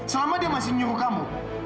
selama dia masih nyuruh kamu